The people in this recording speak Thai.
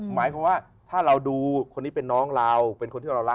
หมายความว่าถ้าเราดูคนนี้เป็นน้องเราเป็นคนที่เรารัก